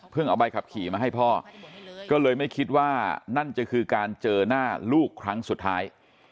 เอาใบขับขี่มาให้พ่อก็เลยไม่คิดว่านั่นจะคือการเจอหน้าลูกครั้งสุดท้าย